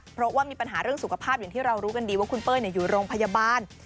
เพราะว่ามีปัญหาเรื่องสุขภาพอย่างที่เรารู้กันดีว่าคุณเป้ยอยู่โรงพยาบาล